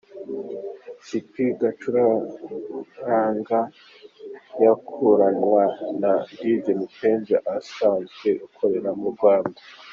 Spinny yacurangaga yakuranwa na Dj Mpenzi usanzwe akorera mu Rwanda.